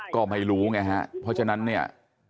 ก็ไม่รู้ไงฮะเพราะฉะนั้นเนี่ย